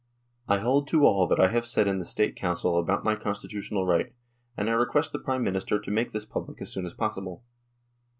I hold to all that I have said in the State Council about my constitutional right, and I request the Prime Minister to make this public as soon as possible."